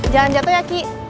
jangan jatuh ya ki